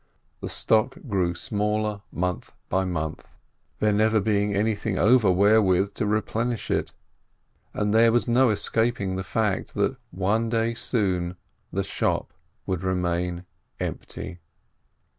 The stock grew smaller month by month, there never being anything over wherewith to replenish it, and there was no escaping the fact that one day soon the shop would remain empty.